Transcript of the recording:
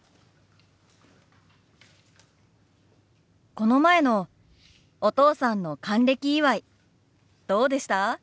この前のお父さんの還暦祝どうでした？